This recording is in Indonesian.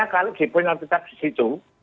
nah kalau dipunya tetap di situ